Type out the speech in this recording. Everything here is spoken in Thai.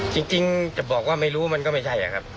จริงจะบอกว่าไม่รู้มันก็ไม่ใช่ครับ